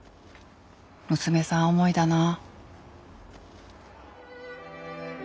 娘さん思いだなぁ。